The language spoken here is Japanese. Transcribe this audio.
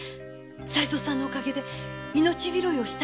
才三さんのおかげで命拾いをしたんですね。